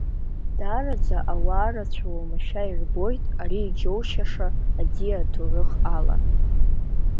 Даараӡа ауаа рацәа уамашәа ирбоит ари иџьоушьаша аӡиа аҭоурых ала.